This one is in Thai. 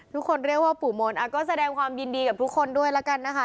ทุกคนเรียกว่าปู่มนก็แสดงความยินดีกับทุกคนด้วยแล้วกันนะคะ